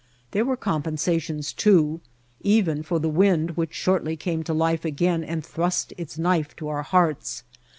There were compensations, too, even for the wind which shortly came to life again and thrust its knife to our hearts.